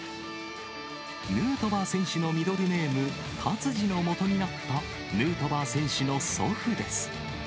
ヌートバー選手のミドルネーム、タツジのもとになった、ヌートバー選手の祖父です。